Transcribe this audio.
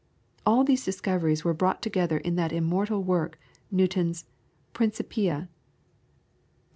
All these discoveries were brought together in that immortal work, Newton's "Principia."